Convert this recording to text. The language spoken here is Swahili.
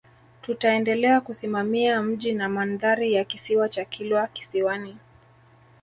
Tutaendelea kusimamia mji na mandhari ya Kisiwa cha Kilwa Kisiwani